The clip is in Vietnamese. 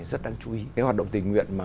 rất đáng chú ý cái hoạt động tình nguyện mà